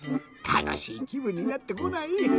たのしいきぶんになってこない？